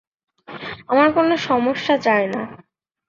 আমরা কোনো সমস্যা চাই না।